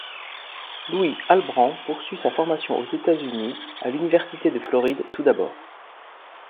Louis Albrand poursuit sa formation aux États-Unis, à l'Université de Floride tout d'abord.